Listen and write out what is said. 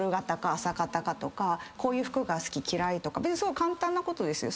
こういう服が好き嫌いとか別に簡単なことですよ。